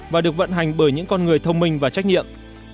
và được vận hành bởi những con người thông minh và trách nhiệm